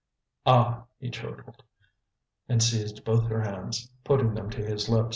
"Ah!" he chortled, and seized both her hands, putting them to his lips.